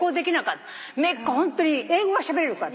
めいっ子ホントに英語がしゃべれるから。